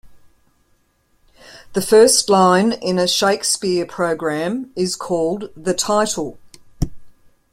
The first line in a Shakespeare program is called the 'title'.